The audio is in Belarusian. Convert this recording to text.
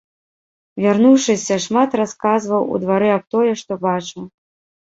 Вярнуўшыся, шмат расказваў у двары аб тое, што бачыў.